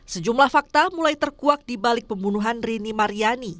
sejumlah fakta mulai terkuak di balik pembunuhan rini maryani